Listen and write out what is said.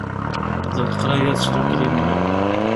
Deg leqraya d tdukkli-nni.